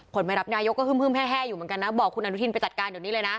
ไม่รับนายกก็ฮึ้มแห้อยู่เหมือนกันนะบอกคุณอนุทินไปจัดการเดี๋ยวนี้เลยนะ